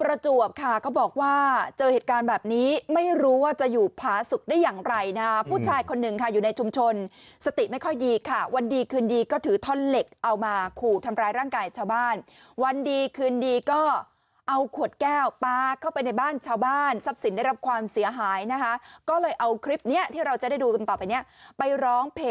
ประจวบค่ะเขาบอกว่าเจอเหตุการณ์แบบนี้ไม่รู้ว่าจะอยู่ผาสุกได้อย่างไรนะผู้ชายคนหนึ่งค่ะอยู่ในชุมชนสติไม่ค่อยดีค่ะวันดีคืนดีก็ถือท่อนเหล็กเอามาขู่ทำร้ายร่างกายชาวบ้านวันดีคืนดีก็เอาขวดแก้วปลาเข้าไปในบ้านชาวบ้านทรัพย์สินได้รับความเสียหายนะคะก็เลยเอาคลิปเนี้ยที่เราจะได้ดูกันต่อไปเนี่ยไปร้องเพ